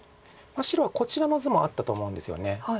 白はこちらの図もあったと思うんですよね。